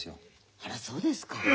あらそうですか。